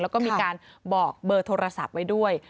แล้วก็มีการบอกเบอร์โทรศัพท์ไว้ด้วย